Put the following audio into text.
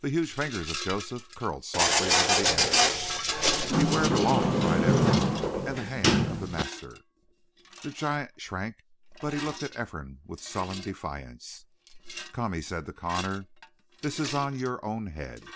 The huge fingers of Joseph curled softly over the image. "Beware of the law!" cried Ephraim. "And the hand of the master!" The giant shrank, but he looked at Ephraim with sullen defiance. "Come," he said to Connor. "This is on your own head."